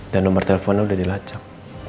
dan nomor teleponnya udah dilacak